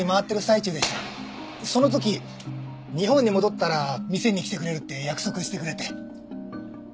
その時日本に戻ったら店に来てくれるって約束してくれて。